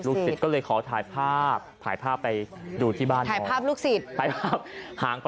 ลูกศิษย์ก็เลยขอถ่ายภาพที่บ้าน